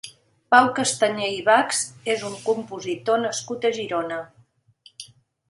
Pau Castanyer i Bachs és un compositor nascut a Girona.